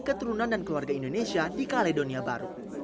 keturunan dan keluarga indonesia di kaledonia baru